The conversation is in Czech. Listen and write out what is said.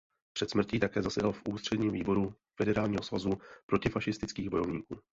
Před smrtí také zasedal v Ústředním výboru federálního Svazu protifašistických bojovníků.